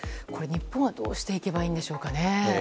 日本はどうしていけばいいんでしょう。